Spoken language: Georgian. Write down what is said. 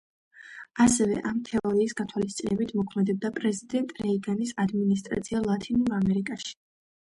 ასევე, ამ თეორიის გათვალისწინებით მოქმედებდა პრეზიდენტ რეიგანის ადმინისტრაცია ლათინურ ამერიკაში.